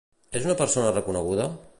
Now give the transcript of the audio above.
És una persona reconeguda?